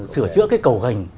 sửa chữa cầu gành